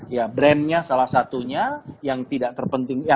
ya brand nya salah satunya yang paling penting